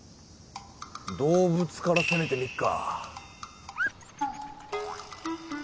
動物から攻めてみっか。